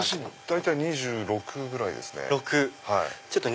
大体２６ぐらいですね。